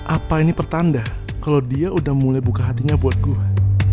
apa ini pertanda kalau dia udah mulai buka hatinya buat gue